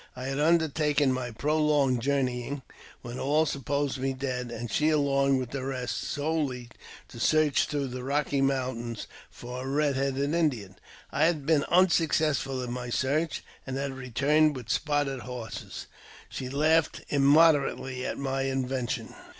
I had undertaken my prolonged journeying, when all h led; 1 284 AUTOBIOGBAPHY OF supposed me dead, and she along with the rest, solely to search through the Eocky Mountains for a *' red handed Indian." I had been unsuccessful in my search, and h returned with spotted horses. She laughed immoderately at my invention.